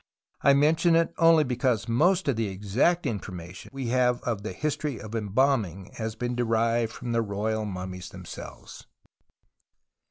I mention it only because most of the exact information we have of the history of embalming has been derived from the royal mummies themselves.